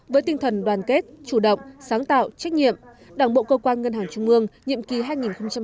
với tinh thần đoàn kết chủ động sáng tạo trách nhiệm đảng bộ cơ quan ngân hàng trung mương nhiệm kỳ hai nghìn hai mươi hai nghìn hai mươi năm